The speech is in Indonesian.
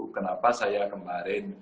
kenapa saya kemarin